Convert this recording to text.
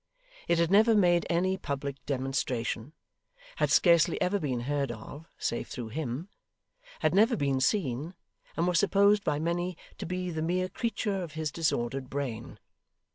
It had never made any public demonstration; had scarcely ever been heard of, save through him; had never been seen; and was supposed by many to be the mere creature of his disordered brain.